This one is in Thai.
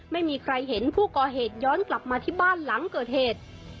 ไม่มีใครเห็นผู้ก่อเหตุย้อนกลับมาที่บ้านหลังเกิดเหตุ